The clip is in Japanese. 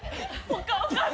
お母さん！